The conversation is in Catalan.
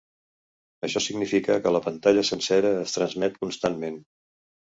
Això significa que la pantalla sencera es transmet constantment.